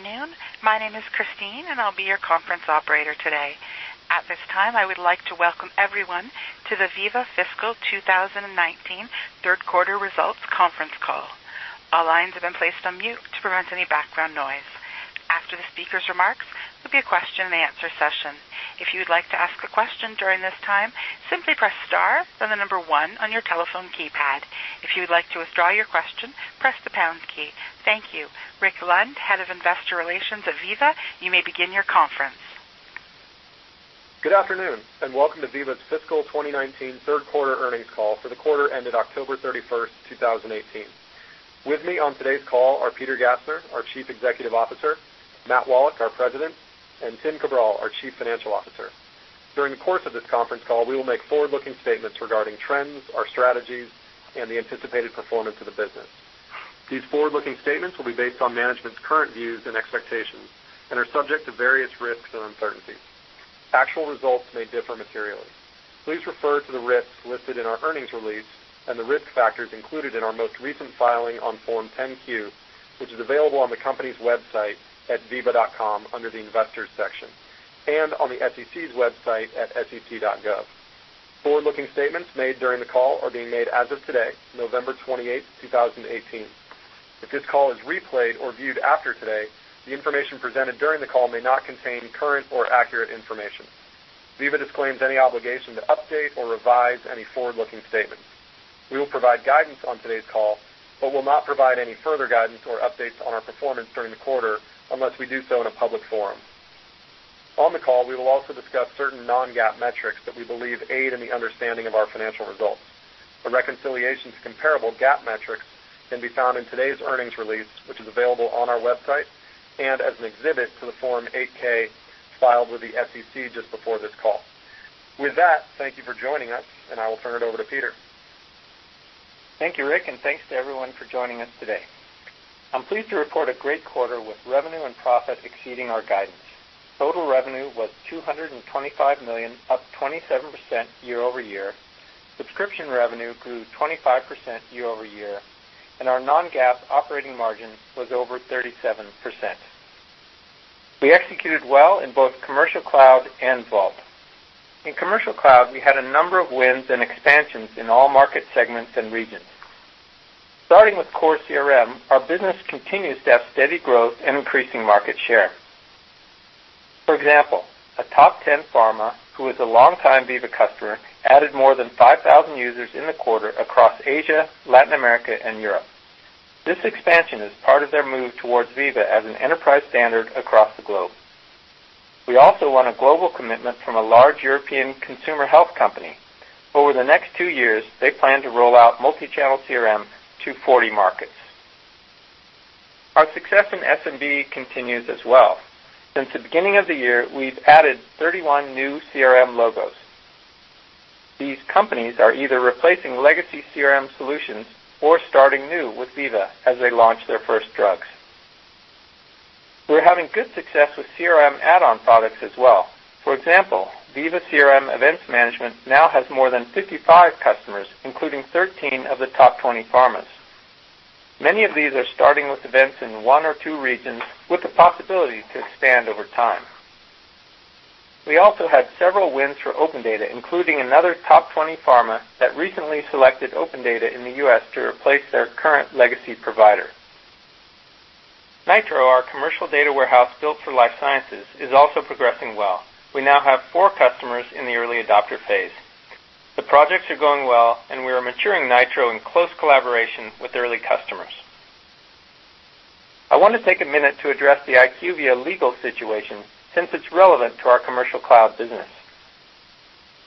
Good afternoon. My name is Christine, and I'll be your conference operator today. At this time, I would like to welcome everyone to the Veeva Fiscal 2019 Third Quarter Results conference call. All lines have been placed on mute to prevent any background noise. After the speaker's remarks, there'll be a question-and-answer session. If you would like to ask a question during this time, simply press star, then the number 1 on your telephone keypad. If you would like to withdraw your question, press the pound key. Thank you. Rick Lund, Head of Investor Relations at Veeva, you may begin your conference. Good afternoon, and welcome to Veeva's Fiscal 2019 third quarter earnings call for the quarter ended October thirty-first, two thousand and eighteen. With me on today's call are Peter Gassner, our Chief Executive Officer, Matt Wallach, our President, and Tim Cabral, our Chief Financial Officer. During the course of this conference call, we will make forward-looking statements regarding trends, our strategies, and the anticipated performance of the business. These forward-looking statements will be based on management's current views and expectations and are subject to various risks and uncertainties. Actual results may differ materially. Please refer to the risks listed in our earnings release and the risk factors included in our most recent filing on Form 10-Q, which is available on the company's website at veeva.com under the Investors section and on the SEC's website at sec.gov. Forward-looking statements made during the call are being made as of today, November 28, 2018. If this call is replayed or viewed after today, the information presented during the call may not contain current or accurate information. Veeva disclaims any obligation to update or revise any forward-looking statements. We will provide guidance on today's call, but will not provide any further guidance or updates on our performance during the quarter unless we do so in a public forum. On the call, we will also discuss certain non-GAAP metrics that we believe aid in the understanding of our financial results. A reconciliation to comparable GAAP metrics can be found in today's earnings release, which is available on our website and as an exhibit to the Form 8-K filed with the SEC just before this call. With that, thank you for joining us, and I will turn it over to Peter. Thank you, Rick, and thanks to everyone for joining us today. I'm pleased to report a great quarter with revenue and profit exceeding our guidance. Total revenue was $225 million, up 27% year-over-year. Subscription revenue grew 25% year-over-year, and our non-GAAP operating margin was over 37%. We executed well in both Commercial Cloud and Vault. In Commercial Cloud, we had a number of wins and expansions in all market segments and regions. Starting with Core CRM, our business continues to have steady growth and increasing market share. For example, a top 10 pharma who is a longtime Veeva customer added more than 5,000 users in the quarter across Asia, Latin America, and Europe. This expansion is part of their move towards Veeva as an enterprise standard across the globe. We also won a global commitment from a large European consumer health company. Over the next two years, they plan to roll out Multichannel CRM to 40 markets. Our success in SMB continues as well. Since the beginning of the year, we've added 31 new CRM logos. These companies are either replacing legacy CRM solutions or starting new with Veeva as they launch their first drugs. We're having good success with CRM add-on products as well. For example, Veeva CRM Events Management now has more than 55 customers, including 13 of the top 20 pharmas. Many of these are starting with events in one or two regions with the possibility to expand over time. We also had several wins for OpenData, including another top 20 pharma that recently selected OpenData in the U.S. to replace their current legacy provider. Nitro, our commercial data warehouse built for life sciences, is also progressing well. We now have four customers in the early adopter phase. The projects are going well, and we are maturing Nitro in close collaboration with early customers. I want to take a minute to address the IQVIA legal situation since it is relevant to our Commercial Cloud business.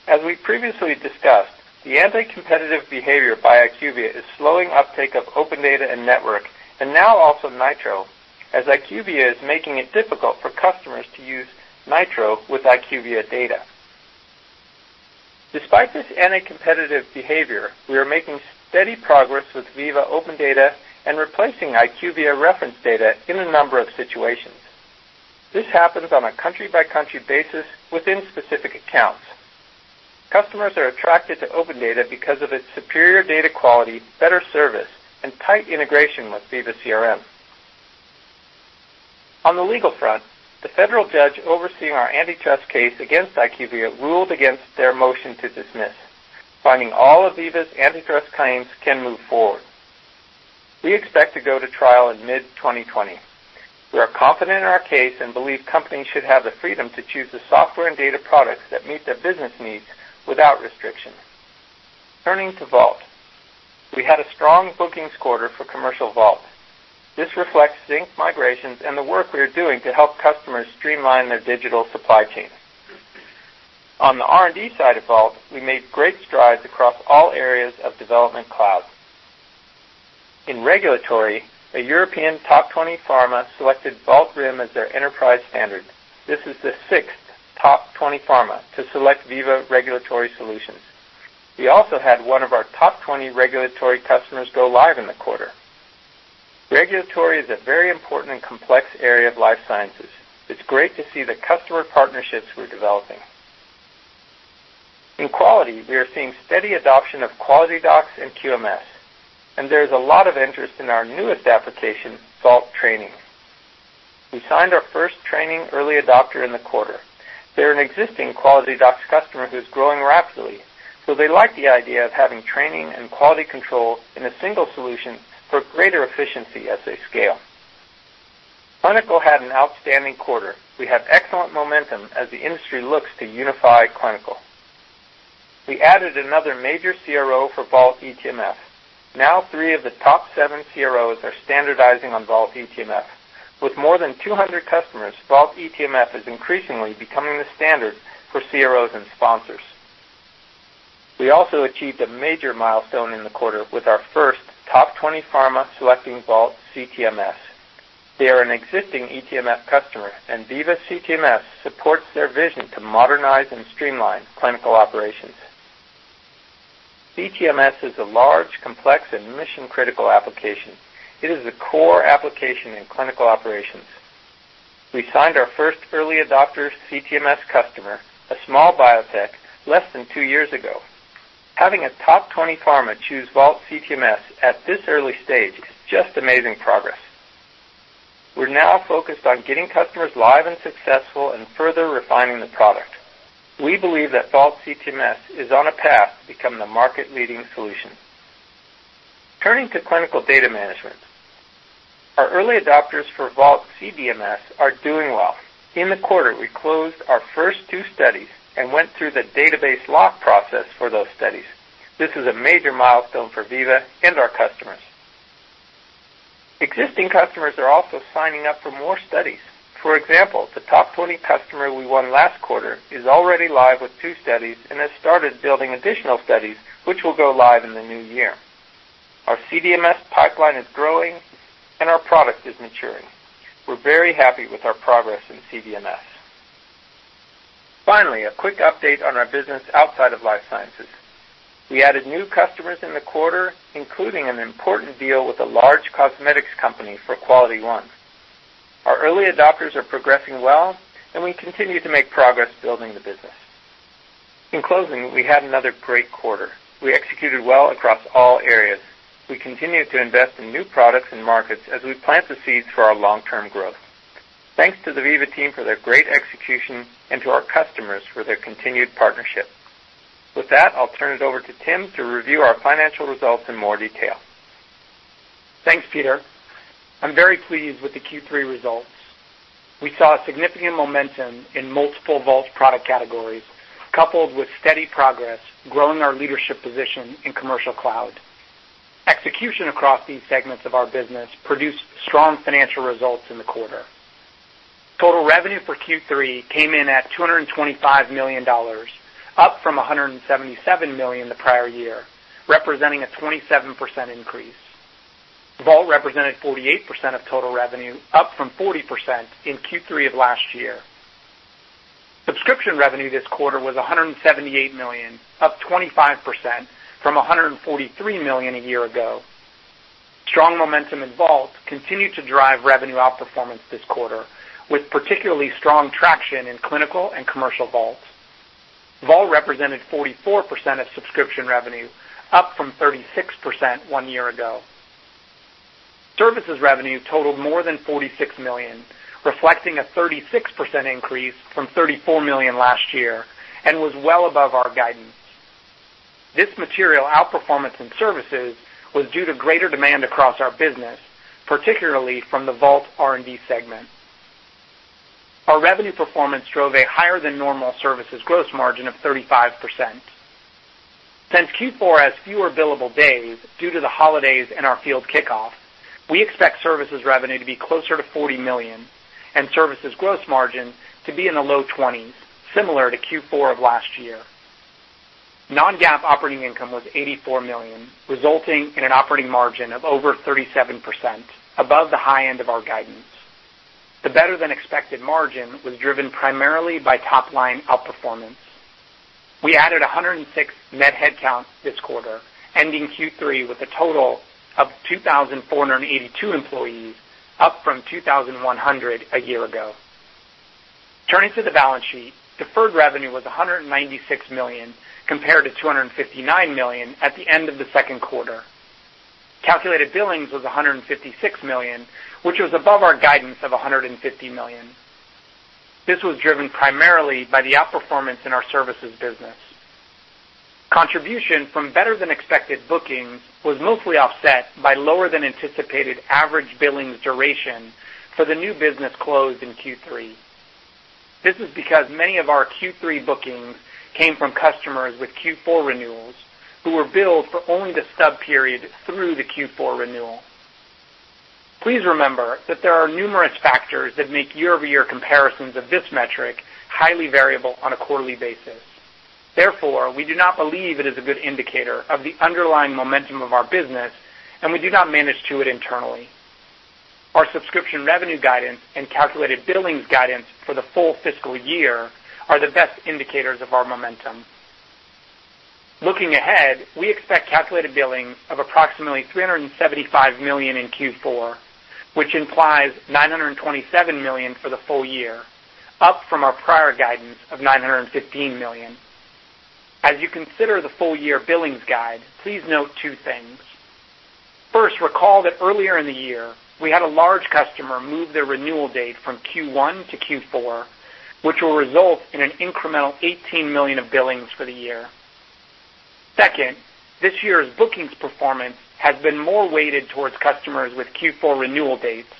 As we previously discussed, the anti-competitive behavior by IQVIA is slowing uptake of OpenData and Network and now also Nitro, as IQVIA is making it difficult for customers to use Nitro with IQVIA data. Despite this anti-competitive behavior, we are making steady progress with Veeva OpenData and replacing IQVIA reference data in a number of situations. This happens on a country-by-country basis within specific accounts. Customers are attracted to OpenData because of its superior data quality, better service, and tight integration with Veeva CRM. On the legal front, the federal judge overseeing our antitrust case against IQVIA ruled against their motion to dismiss, finding all of Veeva's antitrust claims can move forward. We expect to go to trial in mid-2020. We are confident in our case and believe companies should have the freedom to choose the software and data products that meet their business needs without restriction. Turning to Vault. We had a strong bookings quarter for Commercial Vault. This reflects Zinc migrations and the work we are doing to help customers streamline their digital supply chain. On the R&D side of Vault, we made great strides across all areas of Development Cloud. In Regulatory, a European top 20 pharma selected Vault RIM as their enterprise standard. This is the sixth top 20 pharma to select Veeva Regulatory Solutions. We also had one of our top 20 Regulatory customers go live in the quarter. Regulatory is a very important and complex area of life sciences. It's great to see the customer partnerships we're developing. In quality, we are seeing steady adoption of QualityDocs and QMS, and there is a lot of interest in our newest application, Vault Training. We signed our first training early adopter in the quarter. They're an existing QualityDocs customer who's growing rapidly, so they like the idea of having training and quality control in a single solution for greater efficiency as they scale. Clinical had an outstanding quarter. We have excellent momentum as the industry looks to unify clinical. We added another major CRO for Vault eTMF. Now three of the top seven CROs are standardizing on Vault eTMF. With more than 200 customers, Vault eTMF is increasingly becoming the standard for CROs and sponsors. We also achieved a major milestone in the quarter with our first top 20 pharma selecting Vault CTMS. They are an existing eTMF customer, and Veeva CTMS supports their vision to modernize and streamline clinical operations. CTMS is a large, complex, and mission-critical application. It is a core application in clinical operations. We signed our first early adopter CTMS customer, a small biotech, less than two years ago. Having a top 20 pharma choose Vault CTMS at this early stage is just amazing progress. We're now focused on getting customers live and successful and further refining the product. We believe that Vault CTMS is on a path to become the market-leading solution. Turning to clinical data management, our early adopters for Vault CDMS are doing well. In the quarter, we closed our first two studies and went through the database lock process for those studies. This is a major milestone for Veeva and our customers. Existing customers are also signing up for more studies. For example, the top-20 customer we won last quarter is already live with two studies and has started building additional studies which will go live in the new year. Our CDMS pipeline is growing, and our product is maturing. We're very happy with our progress in CDMS. Finally, a quick update on our business outside of life sciences. We added new customers in the quarter, including an important deal with a large cosmetics company for QualityOne. Our early adopters are progressing well, and we continue to make progress building the business. In closing, we had another great quarter. We executed well across all areas. We continue to invest in new products and markets as we plant the seeds for our long-term growth. Thanks to the Veeva team for their great execution and to our customers for their continued partnership. With that, I'll turn it over to Tim to review our financial results in more detail. Thanks, Peter. I'm very pleased with the Q3 results. We saw significant momentum in multiple Vault product categories, coupled with steady progress growing our leadership position in commercial cloud. Execution across these segments of our business produced strong financial results in the quarter. Total revenue for Q3 came in at $225 million, up from $177 million the prior year, representing a 27% increase. Vault represented 48% of total revenue, up from 40% in Q3 of last year. Subscription revenue this quarter was $178 million, up 25% from $143 million a year ago. Strong momentum in Vault continued to drive revenue outperformance this quarter, with particularly strong traction in Clinical and Commercial Vault. Vault represented 44% of subscription revenue, up from 36% one year ago. Services revenue totaled more than $46 million, reflecting a 36% increase from $34 million last year and was well above our guidance. This material outperformance in services was due to greater demand across our business, particularly from the Vault R&D segment. Our revenue performance drove a higher-than-normal services gross margin of 35%. Since Q4 has fewer billable days due to the holidays and our field kickoff, we expect services revenue to be closer to $40 million and services gross margin to be in the low 20s, similar to Q4 of last year. non-GAAP operating income was $84 million, resulting in an operating margin of over 37%, above the high end of our guidance. The better-than-expected margin was driven primarily by top-line outperformance. We added 106 net headcount this quarter, ending Q3 with a total of 2,482 employees, up from 2,100 a year ago. Turning to the balance sheet, deferred revenue was $196 million, compared to $259 million at the end of the second quarter. Calculated billings was $156 million, which was above our guidance of $150 million. This was driven primarily by the outperformance in our services business. Contribution from better-than-expected bookings was mostly offset by lower-than-anticipated average billings duration for the new business closed in Q3. This is because many of our Q3 bookings came from customers with Q4 renewals who were billed for only the sub-period through the Q4 renewal. Please remember that there are numerous factors that make year-over-year comparisons of this metric highly variable on a quarterly basis. Therefore, we do not believe it is a good indicator of the underlying momentum of our business, and we do not manage to it internally. Our subscription revenue guidance and calculated billings guidance for the full fiscal year are the best indicators of our momentum. Looking ahead, we expect calculated billing of approximately $375 million in Q4, which implies $927 million for the full-year, up from our prior guidance of $915 million. As you consider the full-year billings guide, please note two things. First, recall that earlier in the year, we had a large customer move their renewal date from Q1 to Q4, which will result in an incremental $18 million of billings for the year. Second, this year's bookings performance has been more weighted towards customers with Q4 renewal dates,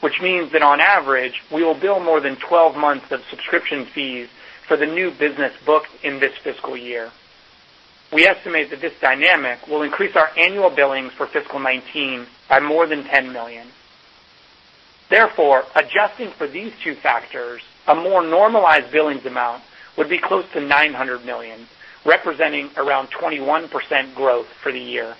which means that on average, we will bill more than 12 months of subscription fees for the new business booked in this fiscal year. We estimate that this dynamic will increase our annual billings for fiscal 2019 by more than $10 million. Adjusting for these two factors, a more normalized billings amount would be close to $900 million, representing around 21% growth for the year.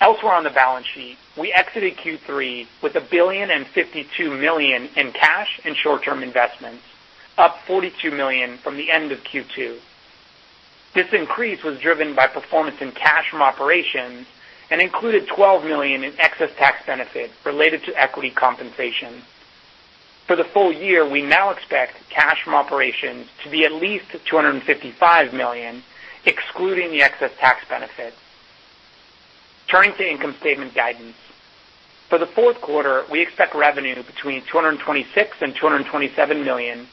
Elsewhere on the balance sheet, we exited Q3 with $1.052 billion in cash and short-term investments, up $42 million from the end of Q2. This increase was driven by performance in cash from operations and included $12 million in excess tax benefit related to equity compensation. For the full-year, we now expect cash from operations to be at least $255 million, excluding the excess tax benefit. Turning to income statement guidance. For the fourth quarter, we expect revenue between $226 million and $227 million,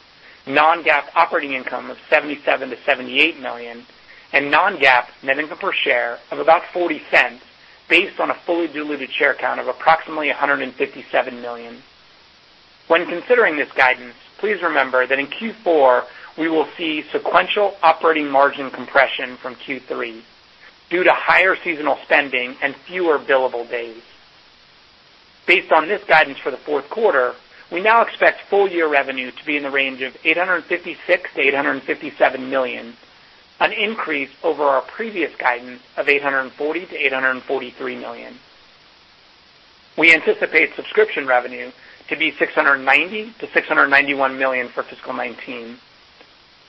non-GAAP operating income of $77-78 million, and non-GAAP net income per share of about $0.40 based on a fully diluted share count of approximately 157 million. When considering this guidance, please remember that in Q4, we will see sequential operating margin compression from Q3 due to higher seasonal spending and fewer billable days. Based on this guidance for the fourth quarter, we now expect full-year revenue to be in the range of $856-857 million, an increase over our previous guidance of $840-843 million. We anticipate subscription revenue to be $690-691 million for fiscal 2019.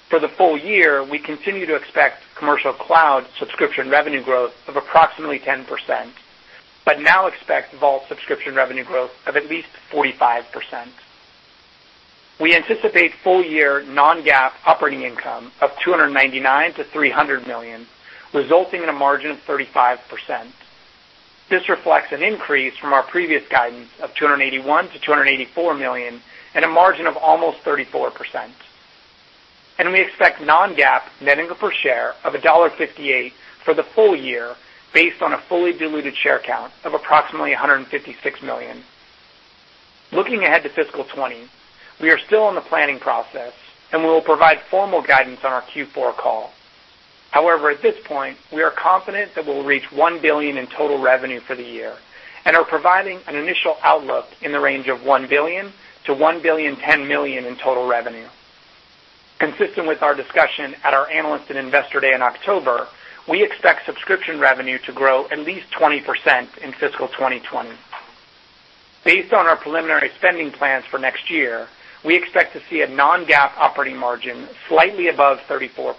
For the full-year, we continue to expect Commercial Cloud subscription revenue growth of approximately 10%, but now expect Vault subscription revenue growth of at least 45%. We anticipate full-year non-GAAP operating income of $299-300 million, resulting in a margin of 35%. This reflects an increase from our previous guidance of $281-284 million and a margin of almost 34%. We expect non-GAAP net income per share of $1.58 for the full-year based on a fully diluted share count of approximately 156 million. Looking ahead to fiscal 2020, we are still in the planning process. We will provide formal guidance on our Q4 call. However, at this point, we are confident that we'll reach $1 billion in total revenue for the year and are providing an initial outlook in the range of $1-1.01 billion in total revenue. Consistent with our discussion at our Analyst and Investor Day in October, we expect subscription revenue to grow at least 20% in fiscal 2020. Based on our preliminary spending plans for next year, we expect to see a non-GAAP operating margin slightly above 34%.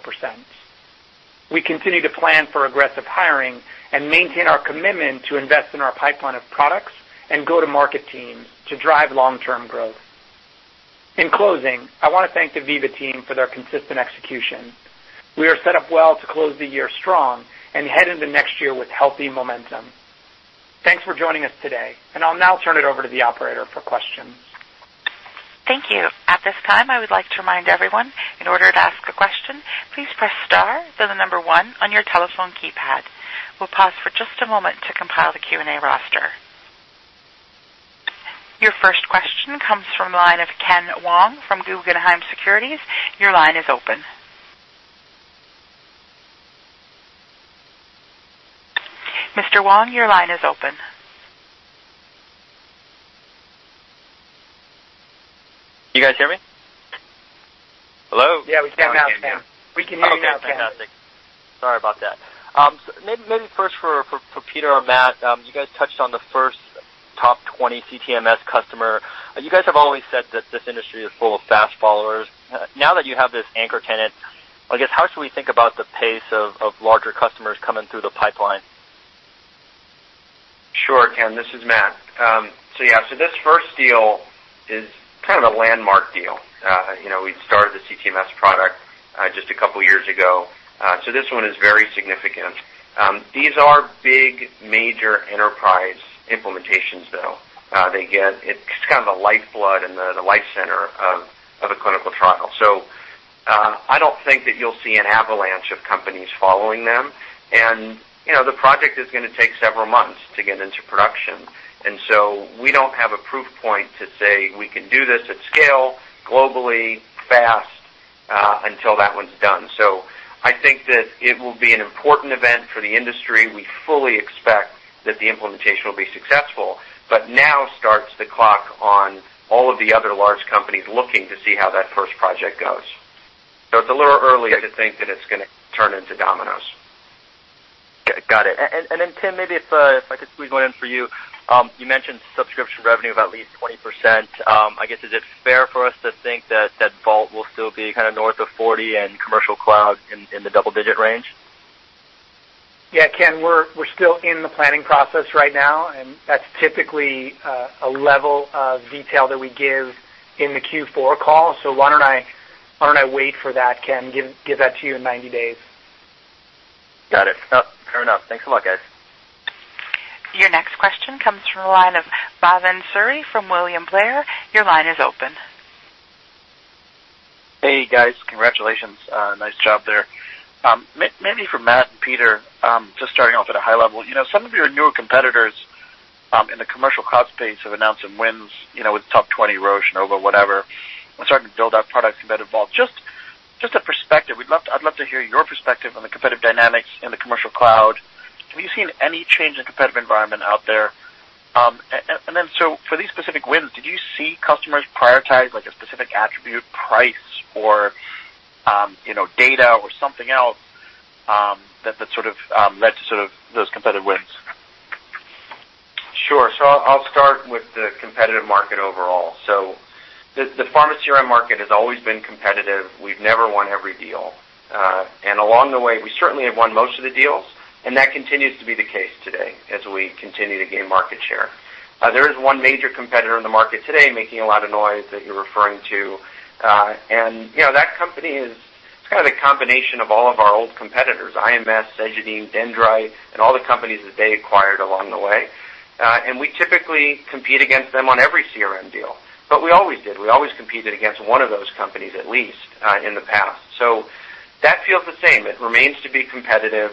We continue to plan for aggressive hiring and maintain our commitment to invest in our pipeline of products and go-to-market teams to drive long-term growth. In closing, I wanna thank the Veeva team for their consistent execution. We are set up well to close the year strong and head into next year with healthy momentum. Thanks for joining us today, and I'll now turn it over to the operator for questions. Thank you. At this time, I would like to remind everyone, in order to ask a question, please press star, then the number one on your telephone keypad. We'll pause for just a moment to compile the Q&A roster. Your first question comes from the line of Ken Wong from Guggenheim Securities. Your line is open. Mr. Wong, your line is open. You guys hear me? Hello? Yeah, we can now, Ken. We can hear you now, Ken. Okay, fantastic. Sorry about that. Maybe first for Peter or Matt, you guys touched on the first top 20 CTMS customer. You guys have always said that this industry is full of fast followers. Now that you have this anchor tenant, I guess, how should we think about the pace of larger customers coming through the pipeline? Sure, Ken. This is Matt. Yeah. This first deal is kind of a landmark deal. You know, we started the CTMS product just two years ago, so this one is very significant. These are big, major enterprise implementations, though. It's kind of a lifeblood and the life center of a clinical trial. I don't think that you'll see an avalanche of companies following them. You know, the project is gonna take several months to get into production. So we don't have a proof point to say we can do this at scale globally, fast, until that one's done. I think that it will be an important event for the industry. We fully expect that the implementation will be successful, now starts the clock on all of the other large companies looking to see how that first project goes. It's a little early to think that it's gonna turn into dominoes. Got it. Tim, maybe if I could squeeze one in for you. You mentioned subscription revenue of at least 20%. I guess, is it fair for us to think that Vault will still be kind of north of 40 and Commercial Cloud in the double-digit range? Yeah, Ken, we're still in the planning process right now. That's typically a level of detail that we give in the Q4 call. Why don't I wait for that, Ken? Give that to you in 90 days. Got it. No, fair enough. Thanks a lot, guys. Your next question comes from the line of Bhavan Suri from William Blair. Your line is open. Hey, guys. Congratulations. Nice job there. Maybe for Matt and Peter, just starting off at a high level. You know, some of your newer competitors in the commercial cloud space have announced some wins, you know, with top 20 Roche, Novo, whatever, and starting to build out products, competitive Vault. Just a perspective. I'd love to hear your perspective on the competitive dynamics in the commercial cloud. Have you seen any change in competitive environment out there? For these specific wins, did you see customers prioritize like a specific attribute, price or, you know, data or something else that sort of led to sort of those competitive wins? Sure. I'll start with the competitive market overall. The pharma CRM market has always been competitive. We've never won every deal. Along the way, we certainly have won most of the deals, and that continues to be the case today as we continue to gain market share. There is one major competitor in the market today making a lot of noise that you're referring to. You know, that company is kind of a combination of all of our old competitors, IMS, Cegedim, Dendrite, and all the companies that they acquired along the way. We typically compete against them on every CRM deal, but we always did. We always competed against one of those companies, at least in the past. That feels the same. It remains to be competitive.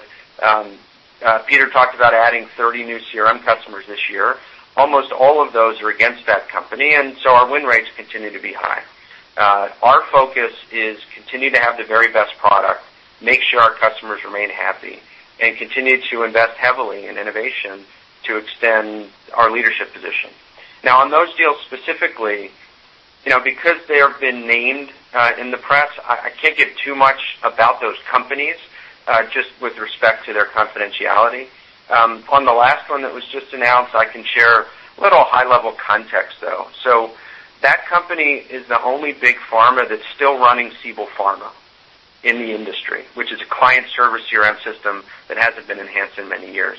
Peter talked about adding 30 new CRM customers this year. Almost all of those are against that company, our win rates continue to be high. Our focus is continue to have the very best product, make sure our customers remain happy, and continue to invest heavily in innovation to extend our leadership position. On those deals specifically, you know, because they have been named in the press, I can't give too much about those companies, just with respect to their confidentiality. On the last one that was just announced, I can share a little high-level context, though. That company is the only big pharma that's still running Siebel Pharma in the industry, which is a client-server CRM system that hasn't been enhanced in many years.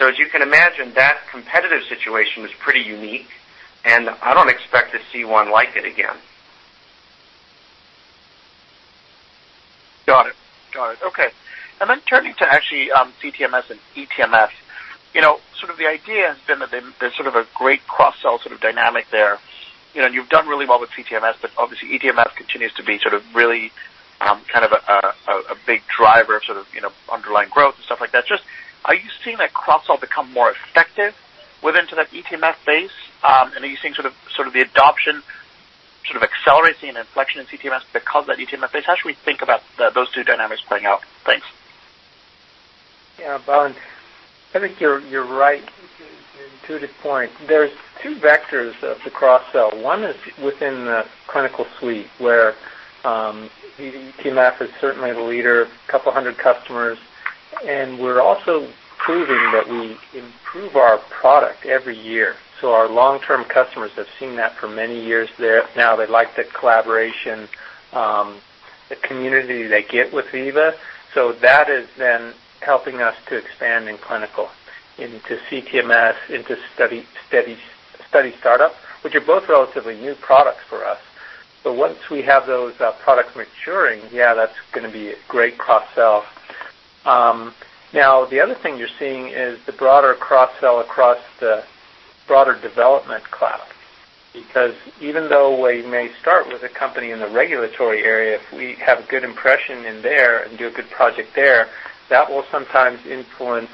As you can imagine, that competitive situation was pretty unique, and I don't expect to see one like it again. Got it. Got it. Okay. Then turning to actually, CTMS and eTMF, you know, sort of the idea has been that there's sort of a great cross-sell sort of dynamic there. You know, you've done really well with CTMS, but obviously eTMF continues to be sort of really, kind of a, a big driver of sort of, you know, underlying growth and stuff like that. Just are you seeing that cross-sell become more effective within to that eTMF base? Are you seeing sort of the adoption sort of accelerating an inflection in CTMS because of that eTMF base? How should we think about those two dynamics playing out? Thanks. Bhavan, I think you're right. It's an intuitive point. There's two vectors of the cross-sell. One is within the clinical suite, where Veeva Vault eTMF is certainly the leader, a couple hundred customers, and we're also proving that we improve our product every year. Our long-term customers have seen that for many years there. Now they like the collaboration, the community they get with Veeva. That is helping us to expand in clinical into Veeva Vault CTMS, into study startup, which are both relatively new products for us. Once we have those products maturing, that's going to be a great cross-sell. Now the other thing you're seeing is the broader cross-sell across the broader Veeva Development Cloud. Because even though we may start with a company in the regulatory area, if we have a good impression in there and do a good project there, that will sometimes influence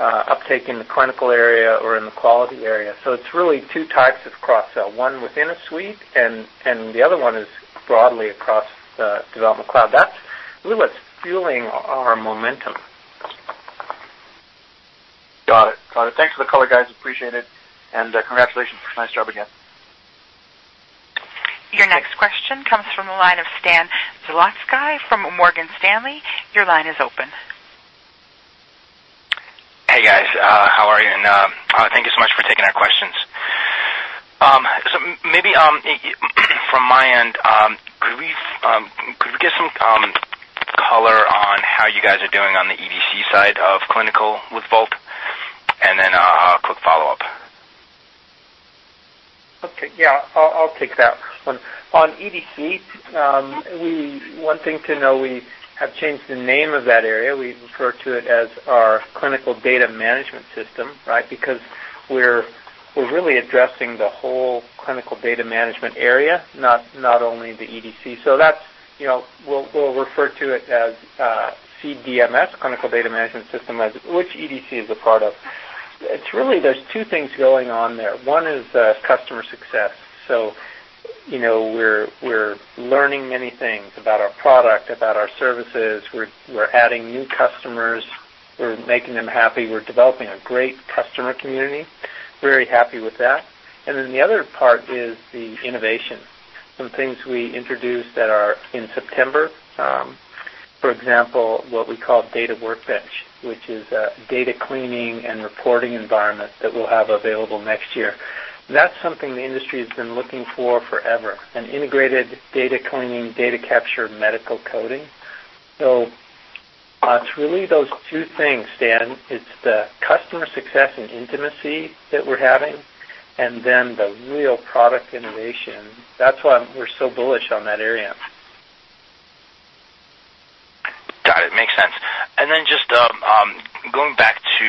uptake in the clinical area or in the quality area. It's really two types of cross-sell, one within a suite and the other one is broadly across the Veeva Development Cloud. That's really what's fueling our momentum. Got it. Got it. Thanks for the color, guys. Appreciate it. Congratulations. Nice job again. Your next question comes from the line of Stan Berenshteyn from Morgan Stanley. Your line is open. Hey, guys. How are you? Thank you so much for taking our questions. Maybe from my end, could we get some color on how you guys are doing on the EDC side of clinical with Vault? A quick follow-up. Okay. Yeah, I'll take that one. On EDC, one thing to know, we have changed the name of that area. We refer to it as our clinical data management system, right? Because we're really addressing the whole clinical data management area, not only the EDC. That's, you know, we'll refer to it as CDMS, Clinical Data Management System, as which EDC is a part of. It's really there's two things going on there. One is customer success. You know, we're learning many things about our product, about our services. We're adding new customers. We're making them happy. We're developing a great customer community. Very happy with that. The other part is the innovation. Some things we introduced that are in September, for example, what we call Veeva Data Workbench, which is a data cleaning and reporting environment that we'll have available next year. That's something the industry has been looking for forever, an integrated data cleaning, data capture, medical coding. It's really those two things, Stan. It's the customer success and intimacy that we're having and then the real product innovation. That's why we're so bullish on that area. Got it. Makes sense. Going back to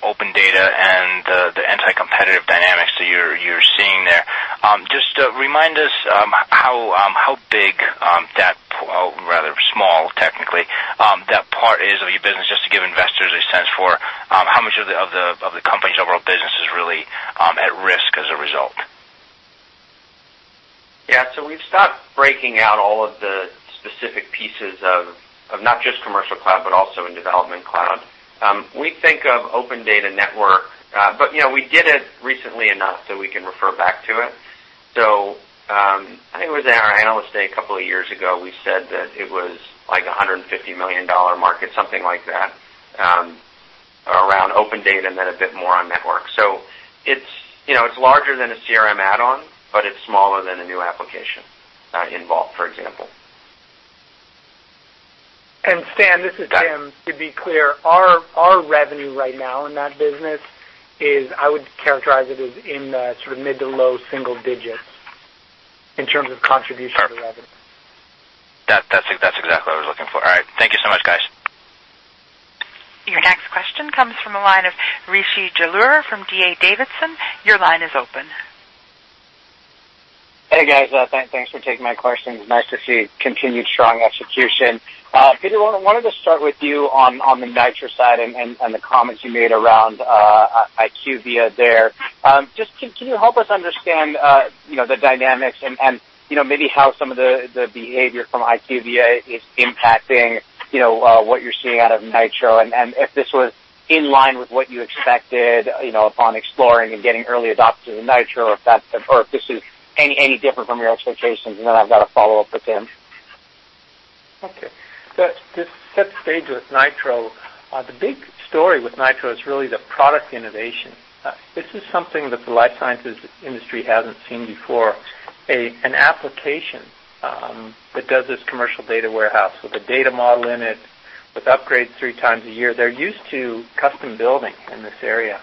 OpenData and the anti-competitive dynamics that you're seeing there, just remind us how big that or rather small technically that part is of your business, just to give investors a sense for how much of the company's overall business is really at risk as a result. Yeah. We've stopped breaking out all of the specific pieces of not just Commercial Cloud, but also in Development Cloud. We think of OpenData Network, you know, we did it recently enough we can refer back to it. I think it was in our Analyst Day a couple of years ago, we said that it was like a $150 million market, something like that, around OpenData and then a bit more on Network. It's, you know, it's larger than a CRM add-on, but it's smaller than a new application, Veeva Vault, for example. Stan, this is Tim. To be clear, our revenue right now in that business is I would characterize it as in the sort of mid to low single digits in terms of contribution to revenue. That's exactly what I was looking for. All right. Thank you so much, guys. Your next question comes from the line of Rishi Jaluria from D.A. Davidson. Your line is open. Hey, guys. Thanks for taking my questions. Nice to see continued strong execution. Peter, I wanted to start with you on the Veeva Nitro side and the comments you made around IQVIA there. Just can you help us understand, you know, the dynamics and, you know, maybe how some of the behavior from IQVIA is impacting, you know, what you're seeing out of Veeva Nitro, and if this was in line with what you expected, you know, upon exploring and getting early adopters of Veeva Nitro or if this is any different from your expectations. I've got a follow-up with Tim. Okay. To set the stage with Nitro, the big story with Nitro is really the product innovation. This is something that the life sciences industry hasn't seen before, an application that does this commercial data warehouse with a data model in it, with upgrades three times a year. They're used to custom building in this area.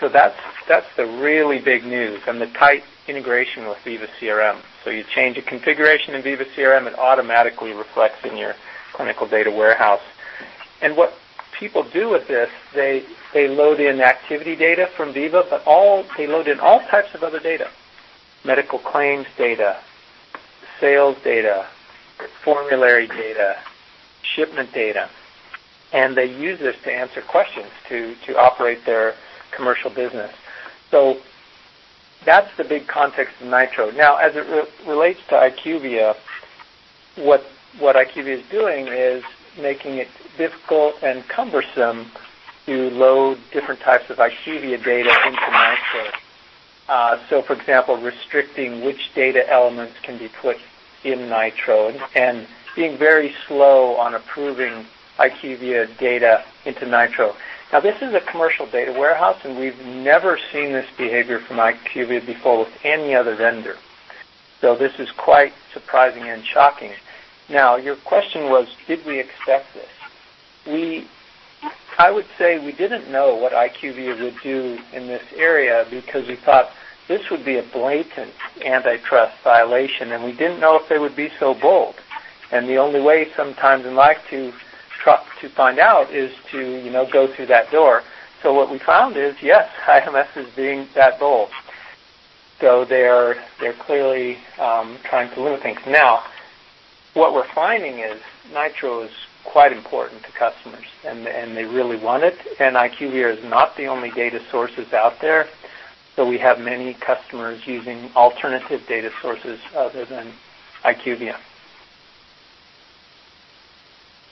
That's the really big news and the tight integration with Veeva CRM. You change a configuration in Veeva CRM, it automatically reflects in your clinical data warehouse. What people do with this, they load in activity data from Veeva, they load in all types of other data, medical claims data, sales data, formulary data, shipment data, and they use this to answer questions to operate their commercial business. That's the big context of Nitro. Now, as it re-relates to IQVIA, what IQVIA is doing is making it difficult and cumbersome to load different types of IQVIA data into Nitro. For example, restricting which data elements can be put in Nitro and being very slow on approving IQVIA data into Nitro. This is a commercial data warehouse, and we've never seen this behavior from IQVIA before with any other vendor. This is quite surprising and shocking. Your question was, did we expect this? I would say we didn't know what IQVIA would do in this area because we thought this would be a blatant antitrust violation, and we didn't know if they would be so bold. The only way sometimes in life to try to find out is to, you know, go through that door. What we found is, yes, IMS is being that bold. They're clearly trying to limit things. What we're finding is Nitro is quite important to customers and they really want it. IQVIA is not the only data sources out there. We have many customers using alternative data sources other than IQVIA.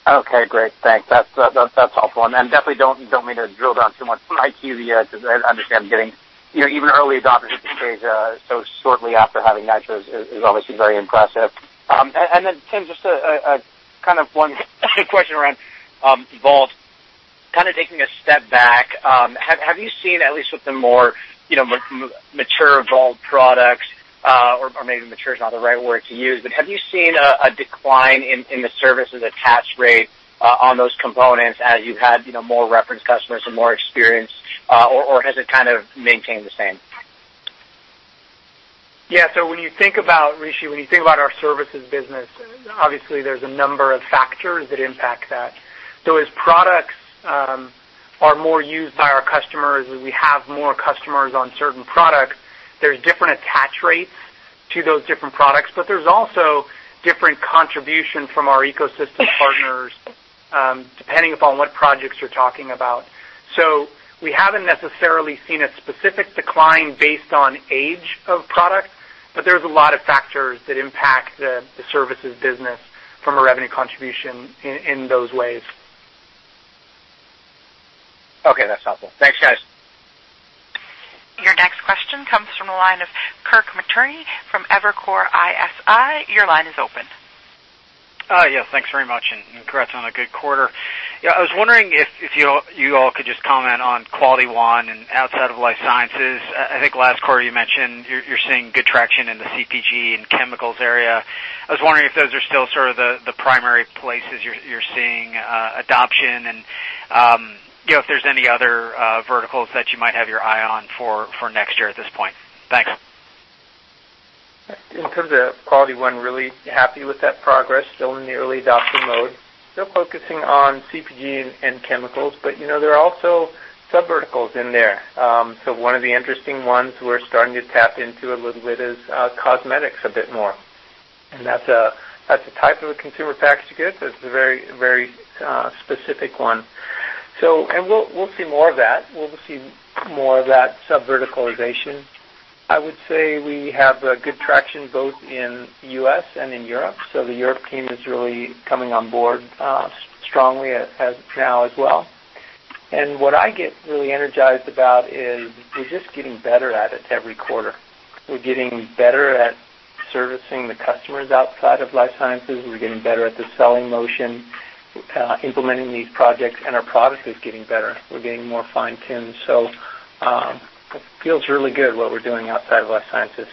Okay, great. Thanks. That's helpful. Definitely don't mean to drill down too much on IQVIA because I understand getting, you know, even early adopters at this stage, so shortly after having Nitro is obviously very impressive. Tim, just a kind of one question around Vault. Kind of taking a step back, have you seen at least with the more, you know, mature Vault products, or maybe mature is not the right word to use, but have you seen a decline in the services attach rate on those components as you've had, you know, more reference customers and more experience, or has it kind of maintained the same? When you think about, Rishi, when you think about our services business, obviously there's a number of factors that impact that. As products are more used by our customers and we have more customers on certain products, there's different attach rates to those different products, but there's also different contribution from our ecosystem partners, depending upon what projects you're talking about. We haven't necessarily seen a specific decline based on age of product, but there's a lot of factors that impact the services business from a revenue contribution in those ways. Okay, that's helpful. Thanks, guys. Your next question comes from the line of Kirk Materne from Evercore ISI. Your line is open. Thanks very much, and congrats on a good quarter. I was wondering if you all could just comment on QualityOne and outside of life sciences. I think last quarter you mentioned you're seeing good traction in the CPG and chemicals area. I was wondering if those are still sort of the primary places you're seeing adoption and, you know, if there's any other verticals that you might have your eye on for next year at this point. Thanks. In terms of QualityOne, really happy with that progress. Still in the early adoption mode. Still focusing on CPG and chemicals, you know, there are also subverticals in there. One of the interesting ones we're starting to tap into a little bit is cosmetics a bit more. That's a type of a consumer package good, so it's a very specific one. We'll see more of that. We'll see more of that subverticalization. I would say we have good traction both in U.S. and in Europe. The Europe team is really coming on board strongly as now as well. What I get really energized about is we're just getting better at it every quarter. We're getting better at servicing the customers outside of life sciences. We're getting better at the selling motion, implementing these projects, and our product is getting better. We're getting more fine-tuned. It feels really good what we're doing outside of life sciences.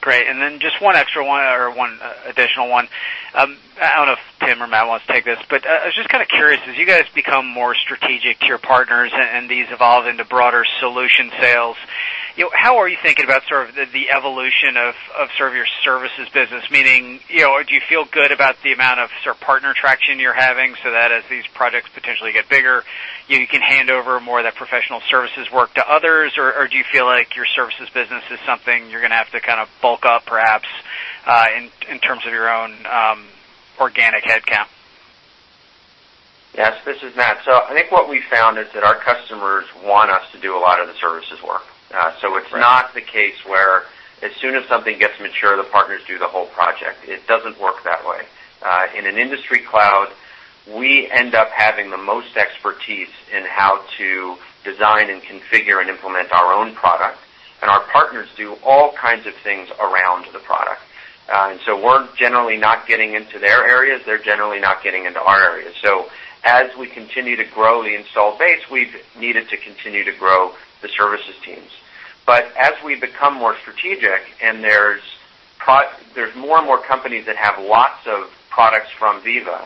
Great. Just one extra one or one additional one. I don't know if Tim or Matt wants to take this, but I was just kinda curious. As you guys become more strategic to your partners and these evolve into broader solution sales, you know, how are you thinking about sort of the evolution of sort of your services business? Meaning, you know, do you feel good about the amount of sort of partner traction you're having so that as these projects potentially get bigger, you know, you can hand over more of that professional services work to others? Or do you feel like your services business is something you're gonna have to kind of bulk up perhaps in terms of your own organic headcount? Yes, this is Matt. I think what we've found is that our customers want us to do a lot of the services work. Right not the case where as soon as something gets mature, the partners do the whole project. It doesn't work that way. In an industry cloud, we end up having the most expertise in how to design and configure and implement our own product, and our partners do all kinds of things around the product. We're generally not getting into their areas. They're generally not getting into our areas. As we continue to grow the install base, we've needed to continue to grow the services teams. As we become more strategic and there's more and more companies that have lots of products from Veeva,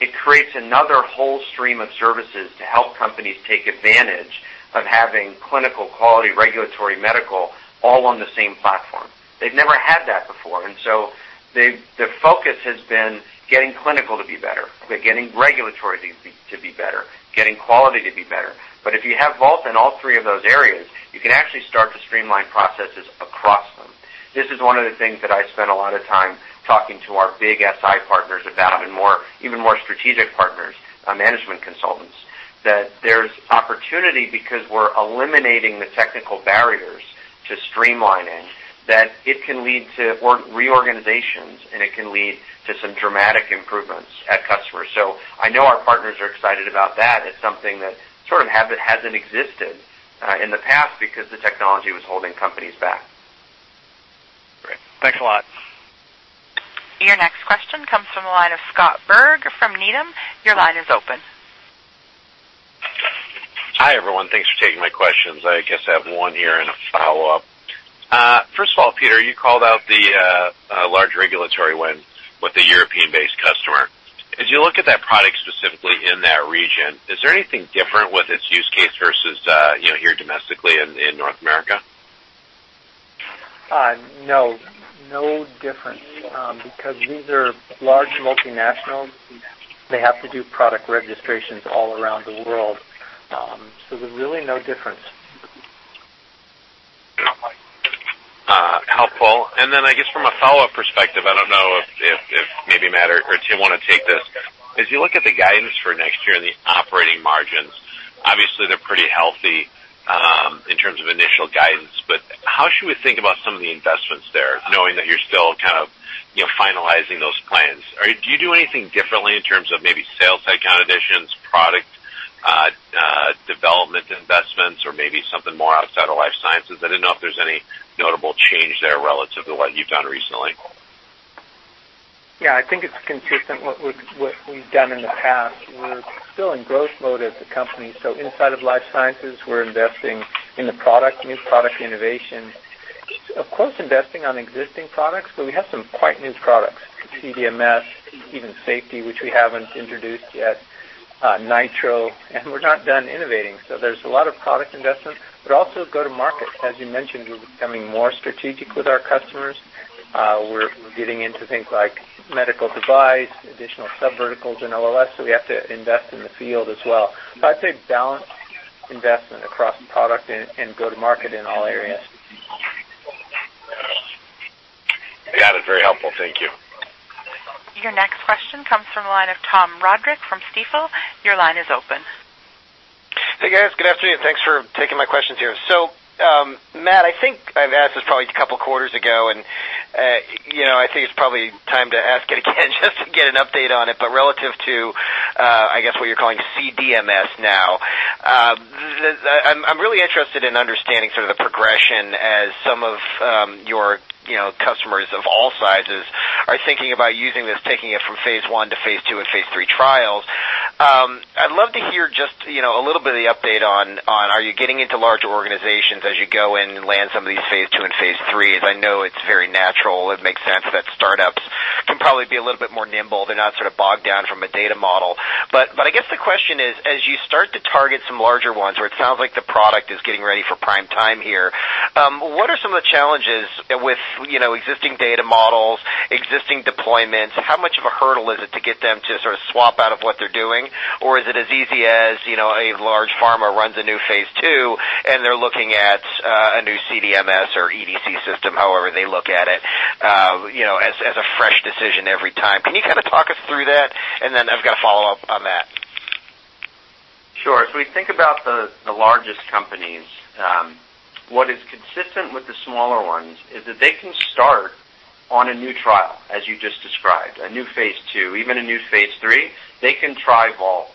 it creates another whole stream of services to help companies take advantage of having clinical, quality, regulatory, medical all on the same platform. They've never had that before, and so their focus has been getting clinical to be better. They're getting regulatory to be better, getting quality to be better. If you have Vault in all three of those areas, you can actually start to streamline processes across them. This is one of the things that I spent a lot of time talking to our big SI partners about and more, even more strategic partners, management consultants, that there's opportunity because we're eliminating the technical barriers to streamlining, that it can lead to reorganizations, and it can lead to some dramatic improvements at customers. I know our partners are excited about that. It's something that sort of hasn't existed in the past because the technology was holding companies back. Great. Thanks a lot. Your next question comes from the line of Scott Berg from Needham. Your line is open. Hi, everyone. Thanks for taking my questions. I guess I have one here and a follow-up. First of all, Peter, you called out the large regulatory win with a European-based customer. As you look at that product specifically in that region, is there anything different with its use case versus, you know, here domestically in North America? No. No difference because these are large multinationals. They have to do product registrations all around the world. There's really no difference. Helpful. I guess from a follow-up perspective, I don't know if maybe Matt or Tim wanna take this. As you look at the guidance for next year and the operating margins, obviously they're pretty healthy in terms of initial guidance. How should we think about some of the investments there, knowing that you're still kind of, you know, finalizing those plans? Do you do anything differently in terms of maybe sales headcount additions, product development investments or maybe something more outside of life sciences? I didn't know if there's any notable change there relative to what you've done recently? Yeah. I think it's consistent what we've done in the past. We're still in growth mode as a company. Inside of life sciences, we're investing in the product, new product innovation. Of course, investing on existing products, but we have some quite new products, CDMS, even Safety, which we haven't introduced yet, Nitro, and we're not done innovating. There's a lot of product investment, but also go-to-market. As you mentioned, we're becoming more strategic with our customers. We're getting into things like medical device, additional subverticals in OLS, so we have to invest in the field as well. I'd say balanced investment across product and go-to-market in all areas. Got it. Very helpful. Thank you. Your next question comes from the line of Tom Roderick from Stifel. Your line is open. Hey, guys. Good afternoon. Thanks for taking my questions here. Matt, I think I've asked this probably a couple quarters ago, and you know, I think it's probably time to ask it again just to get an update on it. Relative to, I guess, what you're calling CDMS now, I'm really interested in understanding sort of the progression as some of your, you know, customers of all sizes are thinking about using this, taking it from phase I to phase II and phase III trials. I'd love to hear just, you know, a little bit of the update on are you getting into larger organizations as you go in and land some of these phase II and phase IIIs? I know it's very natural. It makes sense that startups can probably be a little bit more nimble. They're not sort of bogged down from a data model. I guess the question is, as you start to target some larger ones where it sounds like the product is getting ready for prime time here, what are some of the challenges with, you know, existing data models, existing deployments? How much of a hurdle is it to get them to sort of swap out of what they're doing? Is it as easy as, you know, a large pharma runs a new phase II, and they're looking at a new CDMS or EDC system, however they look at it, you know, as a fresh decision every time? Can you kind of talk us through that? I've got a follow-up on that. Sure. We think about the largest companies. What is consistent with the smaller ones is that they can start on a new trial, as you just described, a new phase II, even a new phase III. They can try Vault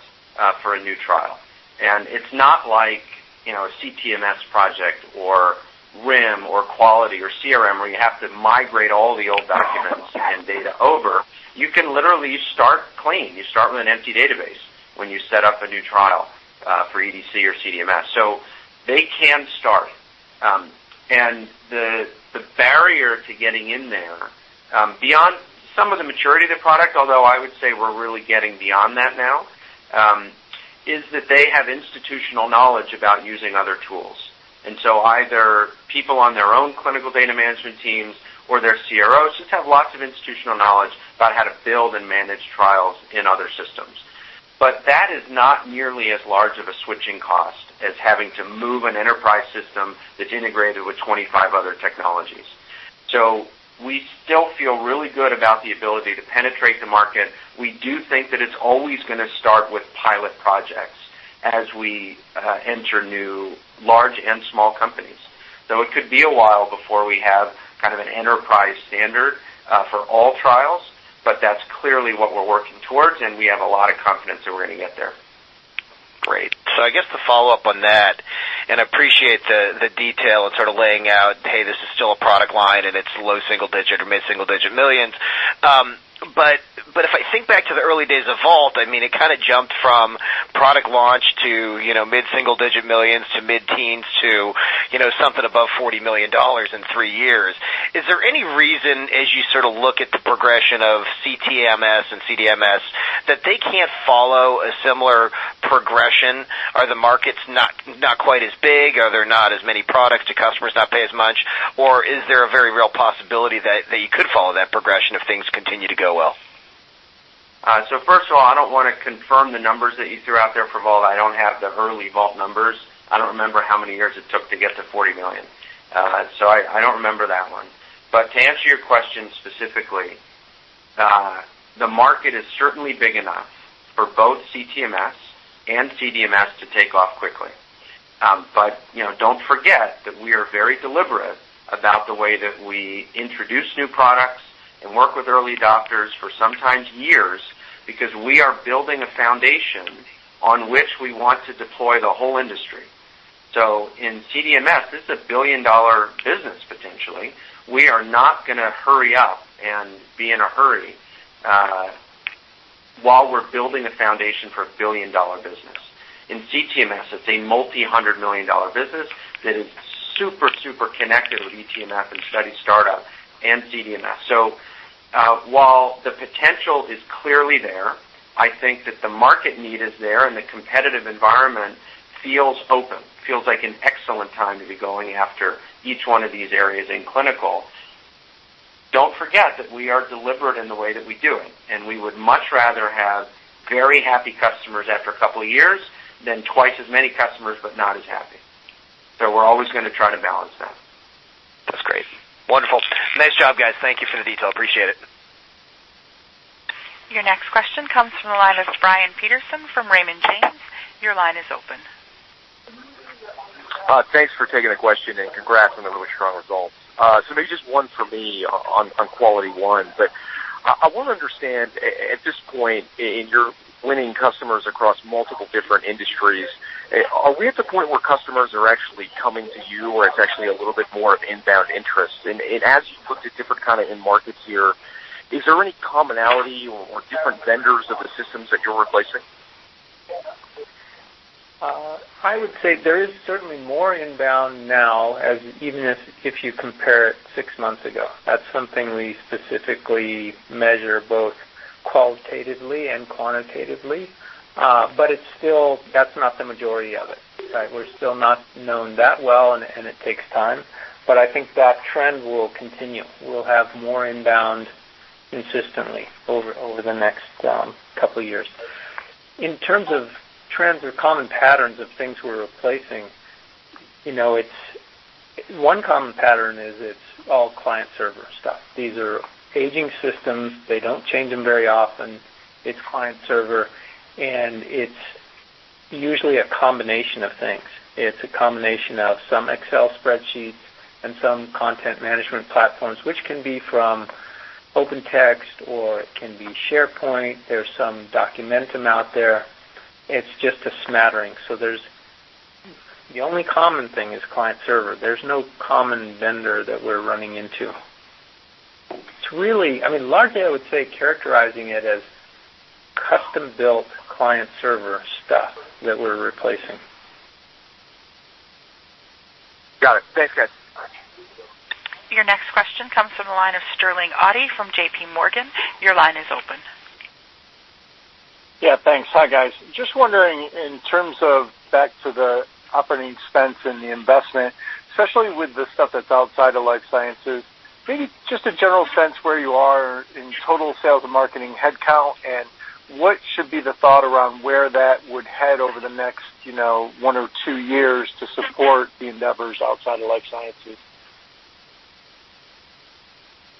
for a new trial. It's not like, you know, a CTMS project or RIM or quality or CRM where you have to migrate all the old documents and data over. You can literally start clean. You start with an empty database when you set up a new trial for EDC or CDMS. They can start. The, the barrier to getting in there, beyond some of the maturity of the product, although I would say we're really getting beyond that now, is that they have institutional knowledge about using other tools. Either people on their own clinical data management teams or their CROs just have lots of institutional knowledge about how to build and manage trials in other systems. That is not nearly as large of a switching cost as having to move an enterprise system that's integrated with 25 other technologies. We still feel really good about the ability to penetrate the market. We do think that it's always gonna start with pilot projects as we enter new large and small companies. It could be a while before we have kind of an enterprise standard for all trials, but that's clearly what we're working towards, and we have a lot of confidence that we're gonna get there. I guess the follow-up on that, and appreciate the detail and sort of laying out, hey, this is still a product line, and it's low single-digit or mid-single-digit millions. But if I think back to the early days of Vault, I mean, it kinda jumped from product launch to, you know, mid-single-digit millions to mid-teens to, you know, something above $40 million in three years. Is there any reason, as you sort of look at the progression of CTMS and CDMS, that they can't follow a similar progression? Are the markets not quite as big? Are there not as many products? Do customers not pay as much? Or is there a very real possibility that you could follow that progression if things continue to go well? First of all, I don't wanna confirm the numbers that you threw out there for Vault. I don't have the early Vault numbers. I don't remember how many years it took to get to 40 million. I don't remember that one. To answer your question specifically, the market is certainly big enough for both CTMS and CDMS to take off quickly. You know, don't forget that we are very deliberate about the way that we introduce new products and work with early adopters for sometimes years because we are building a foundation on which we want to deploy the whole industry. In CDMS, this is a $ 1 billion business potentially. We are not gonna hurry up and be in a hurry while we're building a foundation for a $1 billion business. In CTMS, it's a multi-hundred million dollar business that is super connected with eTMF and study startup and CDMS. While the potential is clearly there, I think that the market need is there and the competitive environment feels open, feels like an excellent time to be going after each one of these areas in clinical. Don't forget that we are deliberate in the way that we do it, and we would much rather have very happy customers after a couple of years than twice as many customers but not as happy. We're always gonna try to balance that. That's great. Wonderful. Nice job, guys. Thank you for the detail. Appreciate it. Your next question comes from the line of Brian Peterson from Raymond James. Your line is open. Thanks for taking the question, and congrats on the really strong results. Maybe just one for me on QualityOne. I wanna understand, at this point in your winning customers across multiple different industries, are we at the point where customers are actually coming to you or it's actually a little bit more of inbound interest? As you've looked at different kinda end markets here, is there any commonality or different vendors of the systems that you're replacing? I would say there is certainly more inbound now as even if you compare it six months ago. That's something we specifically measure both qualitatively and quantitatively. It's still not the majority of it, right? We're still not known that well, and it takes time, but I think that trend will continue. We'll have more inbound consistently over the next couple years. In terms of trends or common patterns of things we're replacing, you know, one common pattern is it's all client-server stuff. These are aging systems. They don't change them very often. It's client-server, and it's usually a combination of things. It's a combination of some Excel spreadsheets and some content management platforms, which can be from OpenText or it can be SharePoint. There's some Documentum out there. It's just a smattering. The only common thing is client-server. There's no common vendor that we're running into. It's really I mean, largely, I would say characterizing it as custom-built client-server stuff that we're replacing. Got it. Thanks, guys. Your next question comes from the line of Sterling Auty from JPMorgan Yeah, thanks. Hi, guys. Just wondering in terms of back to the operating expense and the investment, especially with the stuff that's outside of life sciences, maybe just a general sense where you are in total sales and marketing headcount and what should be the thought around where that would head over the next, you know, one or two years to support the endeavors outside of life sciences?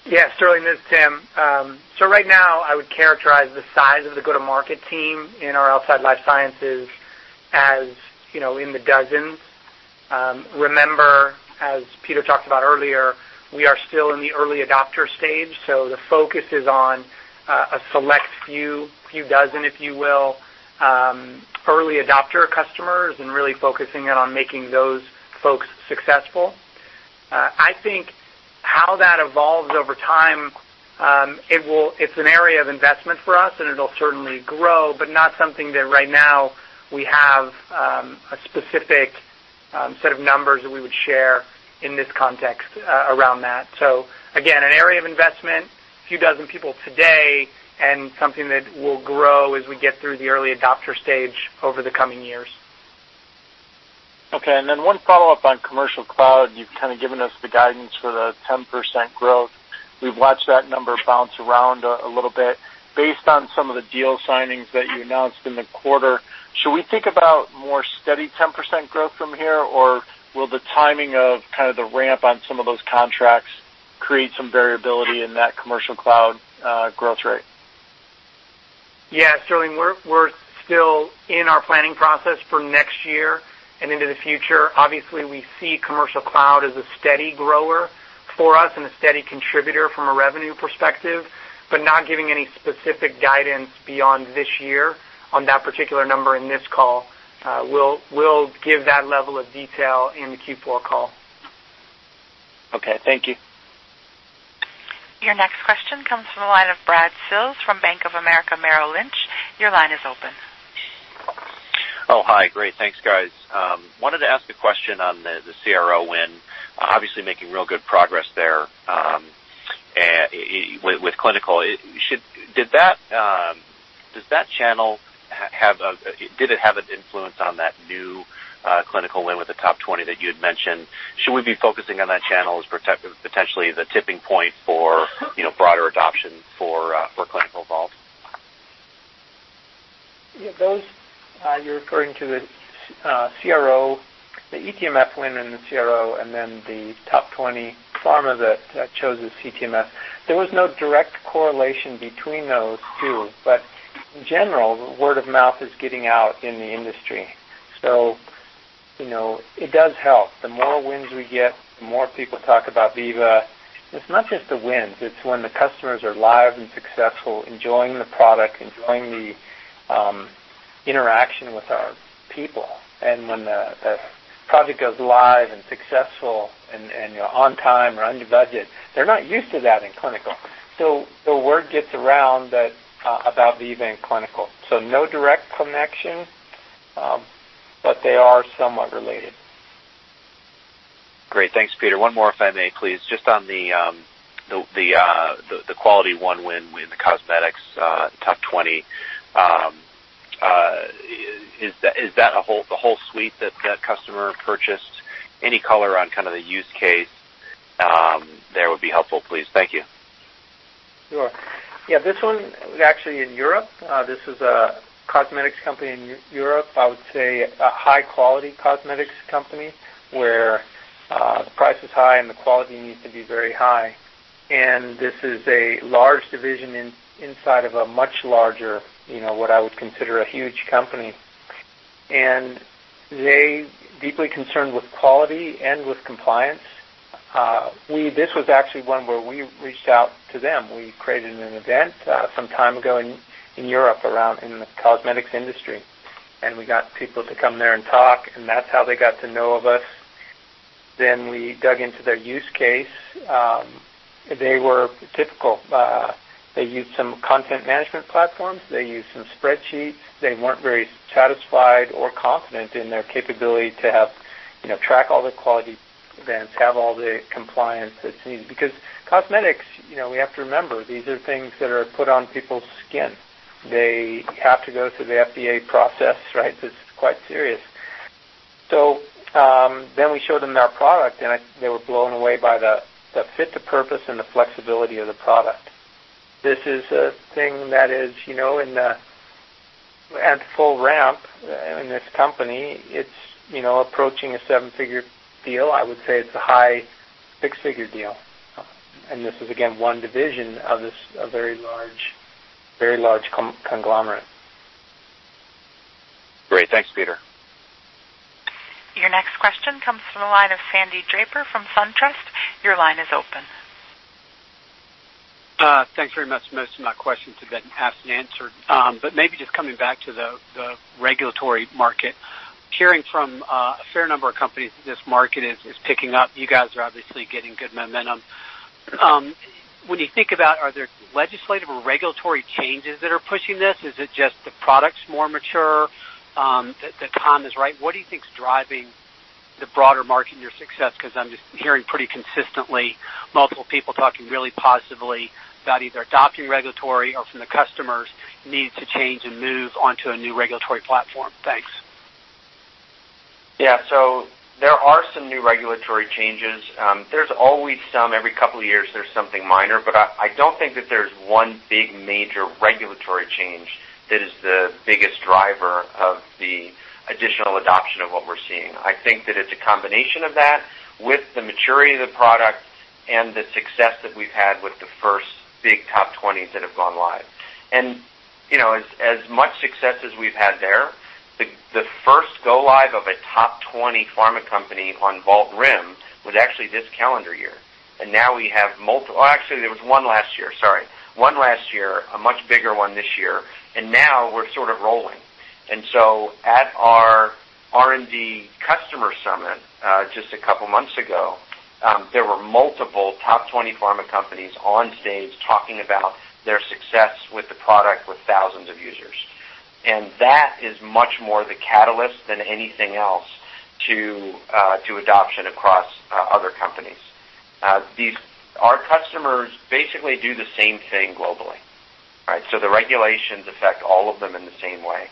Yeah, Sterling, this is Tim. Right now, I would characterize the size of the go-to-market team in our Outside Life Sciences as, you know, in the dozens. Remember, as Peter talked about earlier, we are still in the early adopter stage, the focus is on a select few dozen, if you will, early adopter customers and really focusing in on making those folks successful. I think how that evolves over time, it will. It's an area of investment for us, and it'll certainly grow, but not something that right now we have a specific set of numbers that we would share in this context around that. Again, an area of investment, a few dozen people today and something that will grow as we get through the early adopter stage over the coming years. Okay. One follow-up on Commercial Cloud. You've kind of given us the guidance for the 10% growth. We've watched that number bounce around a little bit. Based on some of the deal signings that you announced in the quarter, should we think about more steady 10% growth from here, or will the timing of kind of the ramp on some of those contracts create some variability in that Commercial Cloud growth rate? Sterling, we're still in our planning process for next year and into the future. Obviously, we see commercial cloud as a steady grower for us and a steady contributor from a revenue perspective, not giving any specific guidance beyond this year on that particular number in this call. We'll give that level of detail in the Q4 call. Okay. Thank you. Your next question comes from the line of Brad Sills from Bank of America Merrill Lynch. Your line is open. Oh, hi. Great. Thanks, guys. Wanted to ask a question on the CRO win, obviously making real good progress there with clinical. Did it have an influence on that new clinical win with the top 20 that you had mentioned? Should we be focusing on that channel as potentially the tipping point for, you know, broader adoption for clinical Vaults? Yeah, those, you're referring to the CRO, the eTMF win in the CRO and then the top 20 pharma that chose the eTMF. There was no direct correlation between those two, but in general, word of mouth is getting out in the industry. You know, it does help. The more wins we get, the more people talk about Veeva. It's not just the wins. It's when the customers are live and successful, enjoying the product, enjoying the interaction with our people. And when the project goes live and successful and you're on time or under budget, they're not used to that in clinical. The word gets around that about Veeva in clinical. No direct connection, but they are somewhat related. Great. Thanks, Peter. One more, if I may please. Just on the Veeva QualityOne win with the cosmetics top 20. Is that the whole suite that that customer purchased? Any color on kind of the use case there would be helpful, please. Thank you. Sure. Yeah, this one was actually in Europe. This is a cosmetics company in Europe. I would say a high-quality cosmetics company where the price is high and the quality needs to be very high. This is a large division inside of a much larger, you know, what I would consider a huge company. They're deeply concerned with quality and with compliance. This was actually one where we reached out to them. We created an event some time ago in Europe around in the cosmetics industry, we got people to come there and talk, that's how they got to know of us. We dug into their use case. They were typical. They used some content management platforms. They used some spreadsheets. They weren't very satisfied or confident in their capability to have, you know, track all the quality events, have all the compliance that's needed. Cosmetics, you know, we have to remember, these are things that are put on people's skin. They have to go through the FDA process, right? This is quite serious. We showed them our product, and I think they were blown away by the fit to purpose and the flexibility of the product. This is a thing that is, you know, in the at full ramp in this company, it's, you know, approaching a $7-figure deal. I would say it's a high $6-figure deal. This is again one division of this, a very large conglomerate. Great. Thanks, Peter. Your next question comes from the line of Sandy Draper from SunTrust. Your line is open. Thanks very much. Most of my questions have been asked and answered. Maybe just coming back to the regulatory market. Hearing from a fair number of companies that this market is picking up. You guys are obviously getting good momentum. When you think about, are there legislative or regulatory changes that are pushing this? Is it just the product's more mature, the time is right? What do you think is driving the broader margin, your success? 'Cause I'm just hearing pretty consistently multiple people talking really positively about either adopting regulatory or from the customers need to change and move onto a new regulatory platform. Thanks. Yeah. There are some new regulatory changes. There's always some every couple of years there's something minor, but I don't think that there's one big major regulatory change that is the biggest driver of the additional adoption of what we're seeing. I think that it's a combination of that with the maturity of the product and the success that we've had with the first big top 20s that have gone live. You know, as much success as we've had there, the first go live of a top 20 pharma company on Veeva Vault RIM was actually this calendar year. Now we have multiple Well, actually, there was one last year, sorry. One last year, a much bigger one this year, and now we're sort of rolling. At our R&D customer summit, just a couple months ago, there were multiple top 20 pharma companies on stage talking about their success with the product with thousands of users. That is much more the catalyst than anything else to adoption across other companies. Our customers basically do the same thing globally, right? The regulations affect all of them in the same way.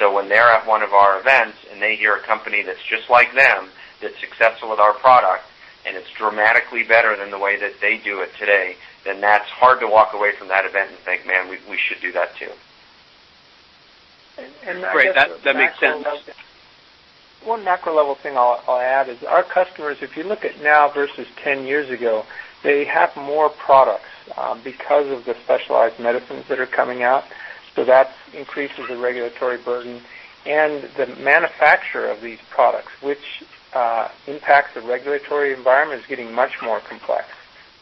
When they're at one of our events and they hear a company that's just like them that's successful with our product, and it's dramatically better than the way that they do it today, then that's hard to walk away from that event and think, "Man, we should do that too. I guess the macro level- Great. That makes sense. One macro level thing I'll add is our customers, if you look at now versus 10 years ago, they have more products because of the specialized medicines that are coming out. That increases the regulatory burden. The manufacturer of these products, which impacts the regulatory environment, is getting much more complex.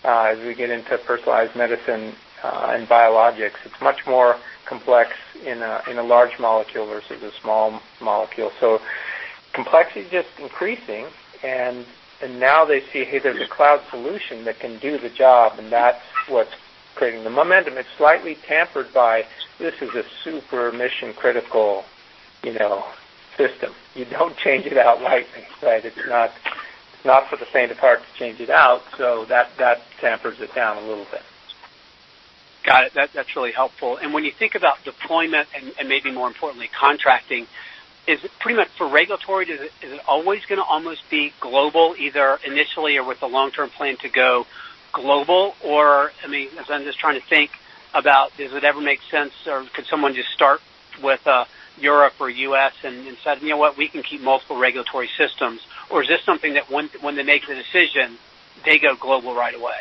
As we get into personalized medicine and biologics, it's much more complex in a large molecule versus a small molecule. Complexity is just increasing and now they see, hey, there's a cloud solution that can do the job. That's what's creating the momentum. It's slightly tampered by this is a super mission-critical, you know, system. You don't change it out lightly, right? It's not for the faint of heart to change it out. That tampers it down a little bit. Got it. That's really helpful. When you think about deployment and maybe more importantly, contracting, is it pretty much for regulatory, is it always gonna almost be global either initially or with a long-term plan to go global? I mean, as I'm just trying to think about, does it ever make sense or could someone just start with Europe or U.S. and decide, you know what? We can keep multiple regulatory systems. Is this something that once, when they make the decision, they go global right away?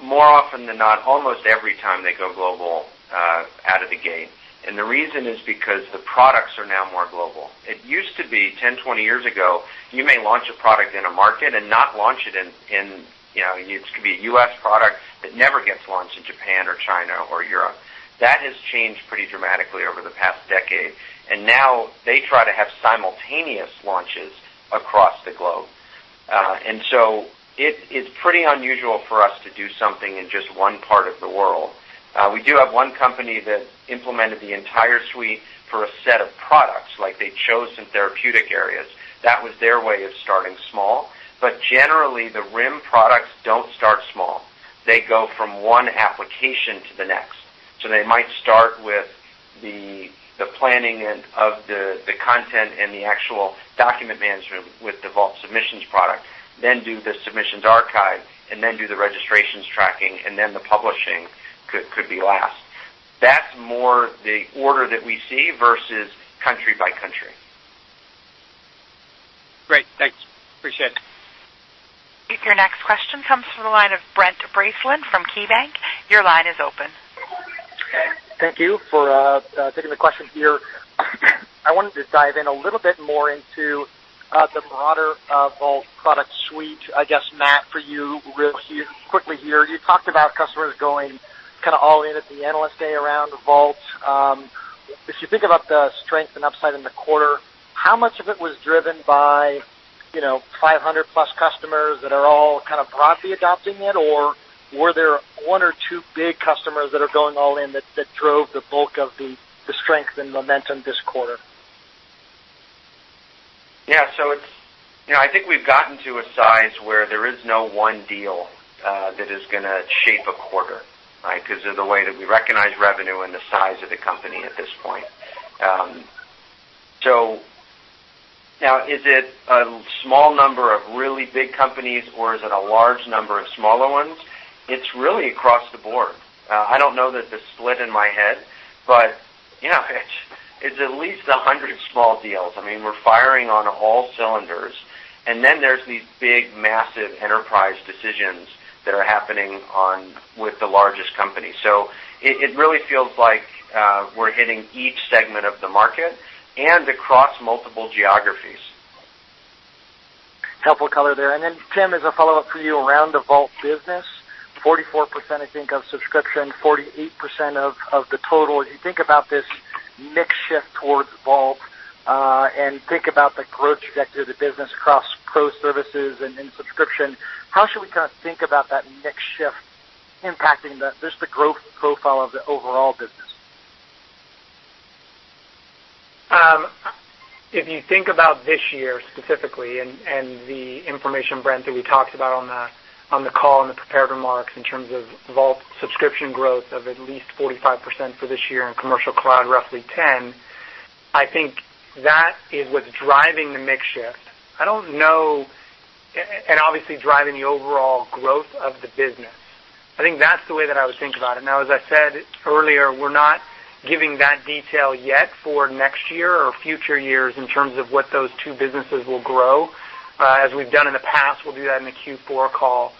More often than not, almost every time they go global out of the gate. The reason is because the products are now more global. It used to be 10, 20 years ago, you may launch a product in a market and not launch it in, you know, it could be a U.S. product that never gets launched in Japan or China or Europe. That has changed pretty dramatically over the past decade. Now they try to have simultaneous launches across the globe. It is pretty unusual for us to do something in just one part of the world. We do have one company that implemented the entire suite for a set of products, like they chose some therapeutic areas. That was their way of starting small. Generally, the RIM products don't start small. They go from one application to the next. They might start with the planning and of the content and the actual document management with Veeva Vault Submissions, then do the Submissions Archive, and then do the registrations tracking, and then the publishing could be last. That's more the order that we see versus country by country. Great. Thanks. Appreciate it. Your next question comes from the line of Brent Bracelin from KeyBanc. Your line is open. Thank you for taking the question here. I wanted to dive in a little bit more into the broader Vault product suite. I guess, Matt, for you real quickly here. You talked about customers going kind of all in at the Analyst Day around Vault. If you think about the strength and upside in the quarter, how much of it was driven by, you know, 500+ customers that are all kind of broadly adopting it, or were there one or two big customers that are going all in that drove the bulk of the strength and momentum this quarter? Yeah. It's, you know, I think we've gotten to a size where there is no one deal that is gonna shape a quarter, right? 'Cause of the way that we recognize revenue and the size of the company at this point. Now is it a small number of really big companies or is it a large number of smaller ones? It's really across the board. I don't know that the split in my head. Yeah, it's at least 100 small deals. I mean, we're firing on all cylinders. There's these big, massive enterprise decisions that are happening with the largest company. It really feels like we're hitting each segment of the market and across multiple geographies. Helpful color there. Then Tim, as a follow-up for you around the Vault business, 44%, I think, of subscription, 48% of the total. As you think about this mix shift towards Vault, and think about the growth trajectory of the business across pro services and in subscription, how should we kind of think about that mix shift impacting just the growth profile of the overall business? If you think about this year specifically and the information Brent that we talked about on the call, in the prepared remarks, in terms of Vault subscription growth of at least 45% for this year and Commercial Cloud, roughly 10, I think that is what's driving the mix shift and obviously driving the overall growth of the business. I think that's the way that I would think about it. As I said earlier, we're not giving that detail yet for next year or future years in terms of what those two businesses will grow. As we've done in the past, we'll do that in the Q4 call.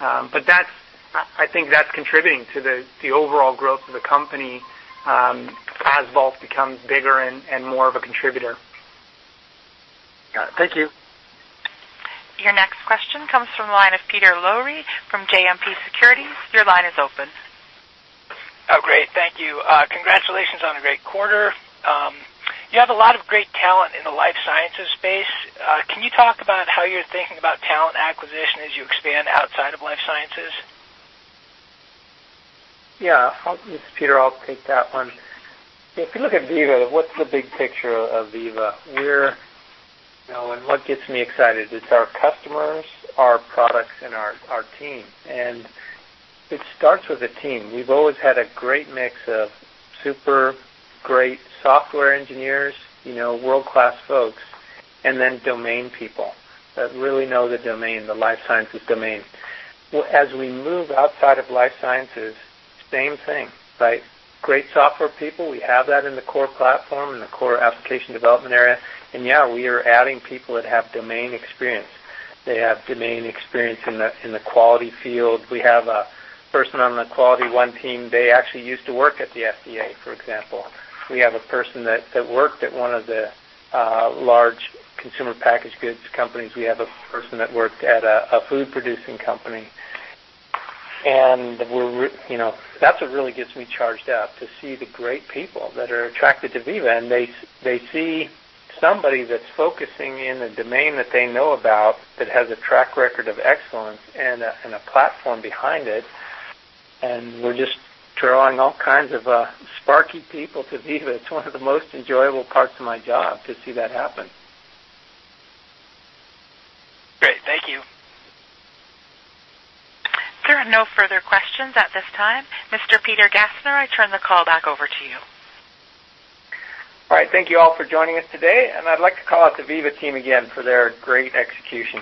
I think that's contributing to the overall growth of the company as Vault becomes bigger and more of a contributor. Got it. Thank you. Your next question comes from the line of Peter Lowry from JMP Securities. Your line is open. Oh, great. Thank you. Congratulations on a great quarter. You have a lot of great talent in the life sciences space. Can you talk about how you're thinking about talent acquisition as you expand outside of life sciences? Yeah. Peter, I'll take that one. If you look at Veeva, what's the big picture of Veeva? We're, you know what gets me excited, it's our customers, our products, and our team. It starts with the team. We've always had a great mix of super great software engineers, you know, world-class folks, and then domain people that really know the domain, the life sciences domain. Well, as we move outside of life sciences, same thing, right? Great software people, we have that in the core platform, in the core application development area. Yeah, we are adding people that have domain experience. They have domain experience in the quality field. We have a person on the QualityOne team, they actually used to work at the FDA, for example. We have a person that worked at one of the large consumer packaged goods companies. We have a person that worked at a food-producing company. We're you know, that's what really gets me charged up, to see the great people that are attracted to Veeva. They see somebody that's focusing in a domain that they know about, that has a track record of excellence and a platform behind it. We're just drawing all kinds of sparky people to Veeva. It's one of the most enjoyable parts of my job to see that happen. Great. Thank you. There are no further questions at this time. Mr. Peter Gassner, I turn the call back over to you. All right. Thank you all for joining us today, and I'd like to call out the Veeva team again for their great execution.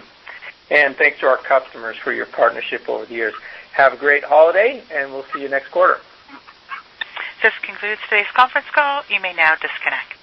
Thanks to our customers for your partnership over the years. Have a great holiday. We'll see you next quarter. This concludes today's conference call. You may now disconnect.